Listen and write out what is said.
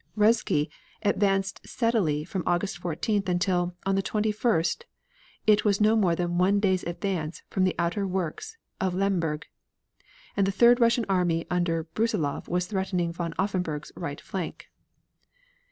Ruzsky advanced steadily from August 14th until, on the 21st, it was not more than one day's advance from the outer works of Lemberg, and the third Russian army under Brussilov was threatening von Offenberg's right flank.